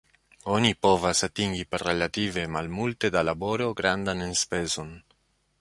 Oni povas atingi per relative malmulte da laboro grandan enspezon.